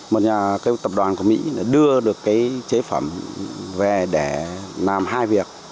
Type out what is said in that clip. một nhà tập đoàn của mỹ đưa được cái chế phẩm về để làm hai việc